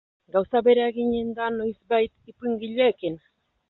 Gauza bera eginen da noizbait ipuingileekin?